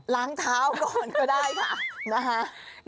ล้างเท้าก่อนก็ได้ค่ะนะคะ